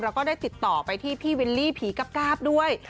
เราก็ได้ติดต่อไปที่พี่เวนลี่ผีกาบด้วย